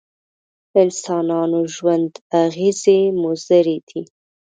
انسانانو ژوند اغېزې مضرې دي.